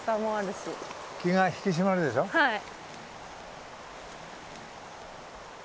はい。